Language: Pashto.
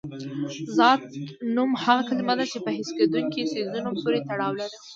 ذات نوم هغه کلمه ده چې په حس کېدونکي څیزونو پورې تړاو ولري.